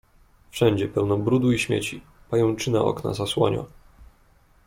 "Wszędzie pełno brudu i śmieci, pajęczyna okna zasłania."